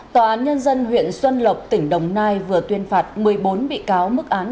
tòa án nhân dân huyện xuân lộc tỉnh đồng nai vừa tuyên phạt một mươi bốn bị cáo mức án